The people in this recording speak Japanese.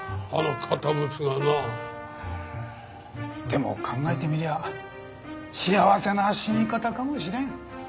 でも考えてみりゃ幸せな死に方かもしれん。